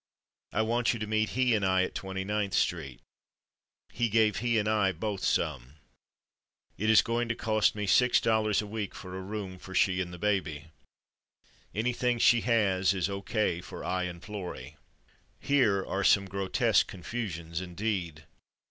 I want you to meet /he/ and I at 29th street. He gave /he/ and I both some. It is going to cost me $6 a week for a room for /she/ and the baby. Anything she has is O. K. for /I/ and Florrie. Here are some grotesque confusions, indeed.